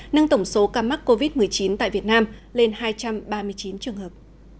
nâng tổng số ca mắc covid một mươi chín tại việt nam lên hai trăm ba mươi chín trường hợp